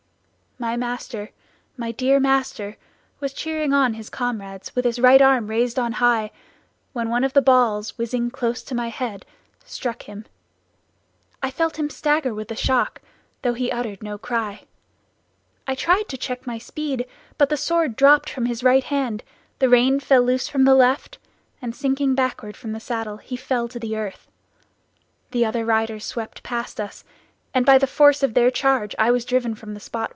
"My master, my dear master was cheering on his comrades with his right arm raised on high, when one of the balls whizzing close to my head struck him. I felt him stagger with the shock, though he uttered no cry; I tried to check my speed, but the sword dropped from his right hand, the rein fell loose from the left, and sinking backward from the saddle he fell to the earth; the other riders swept past us, and by the force of their charge I was driven from the spot.